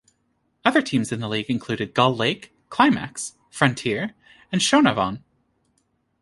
Other teams in the league included Gull Lake, Climax, Frontier, and Shaunavon.